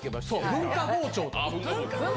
文化包丁とか。